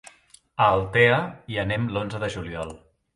A Altea hi anem l'onze de juliol.